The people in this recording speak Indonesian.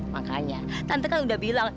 makanya tante kan udah bilang